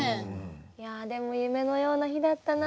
いやでも夢のような日だったな。